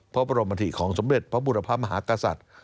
พระบรมธิของสมเด็จพระบุรพมหากษัตริย์